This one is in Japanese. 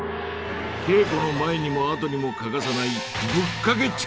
稽古の前にも後にも欠かさない「ぶっかけチェレ」さ！